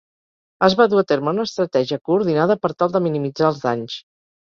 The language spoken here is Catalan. Es va dur a terme una estratègia coordinada per tal de minimitzar els danys.